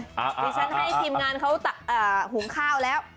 ดิฉันให้ทีมงานเขาหุงข้าวแล้ว